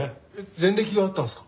前歴があったんですか？